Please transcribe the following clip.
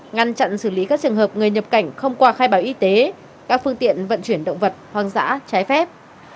ngăn chặn xử lý các trường hợp người nhập cảnh không qua khai báo y tế các phương tiện vận chuyển động vật hoang dã trái phép